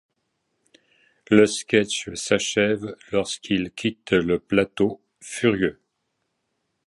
Le sketch s’achève lorsqu’il quitte le plateau, furieux.